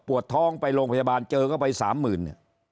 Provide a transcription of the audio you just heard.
ปวดท้องไปโรงพยาบาลเจอก็ไป๓หมื่น